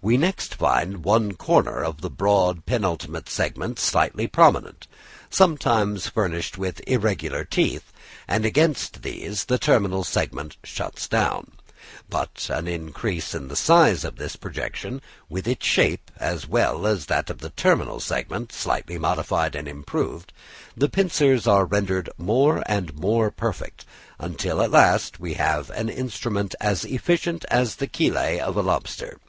We next find one corner of the broad penultimate segment slightly prominent, sometimes furnished with irregular teeth, and against these the terminal segment shuts down. By an increase in the size of this projection, with its shape, as well as that of the terminal segment, slightly modified and improved, the pincers are rendered more and more perfect, until we have at last an instrument as efficient as the chelæ of a lobster.